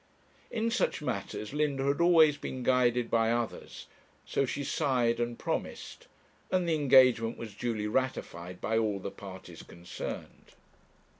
In such matters Linda had always been guided by others; so she sighed and promised, and the engagement was duly ratified by all the parties concerned.